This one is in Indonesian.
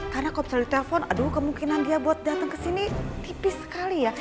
karena kalau misalnya ditelepon aduh kemungkinan dia buat datang ke sini tipis sekali ya